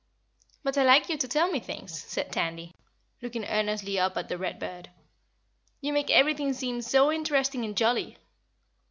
"But I like you to tell me things," said Tandy, looking earnestly up at the Read Bird. "You make everything seem so interesting and jolly."